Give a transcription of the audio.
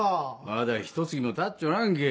まだひと月もたっちょらんけ